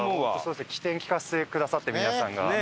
機転利かせてくださって皆さんが。